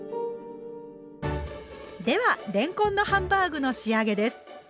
ではれんこんのハンバーグの仕上げです。